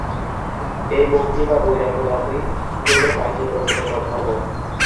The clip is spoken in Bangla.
এই মুক্তি বা বৈরাগ্য-লাভই হইল কার্যে পরিণত ধর্ম।